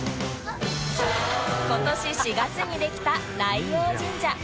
今年４月にできたライオー神社